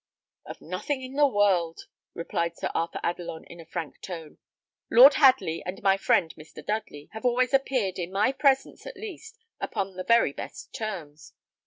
"Of nothing in the world," replied Sir Arthur Adelon, in a frank tone. "Lord Hadley and my friend, Mr. Dudley, have always appeared, in my presence, at least, upon the very best terms.